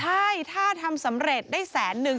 ใช่ถ้าทำสำเร็จได้แสนนึง